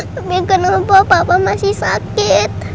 tapi kenapa bapak masih sakit